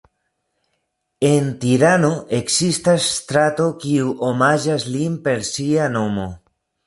En Tirano ekzistas strato kiu omaĝas lin per sia nomo.